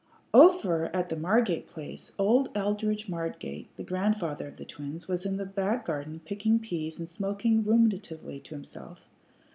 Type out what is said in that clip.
Over at the Margate place old Eldridge Margate, the grandfather of the twins, was in the back garden picking pease and smoking ruminatively to himself.